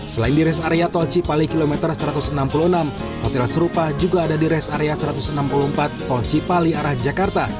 selain di res area tol cipali km satu ratus enam puluh enam hotel serupa juga ada di res area satu ratus enam puluh empat tol cipali arah jakarta